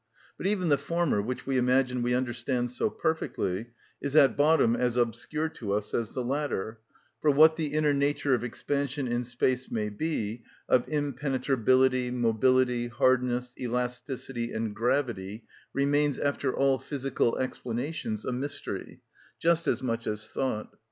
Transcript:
But even the former, which we imagine we understand so perfectly, is at bottom as obscure to us as the latter; for what the inner nature of expansion in space may be—of impenetrability, mobility, hardness, elasticity, and gravity remains, after all physical explanations, a mystery, just as much as thought.